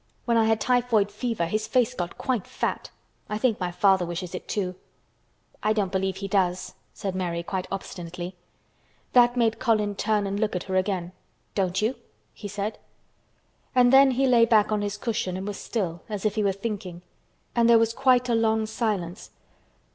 When I had typhoid fever his face got quite fat. I think my father wishes it, too." "I don't believe he does," said Mary quite obstinately. That made Colin turn and look at her again. "Don't you?" he said. And then he lay back on his cushion and was still, as if he were thinking. And there was quite a long silence.